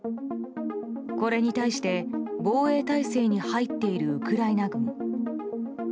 これに対して防衛態勢に入っているウクライナ軍。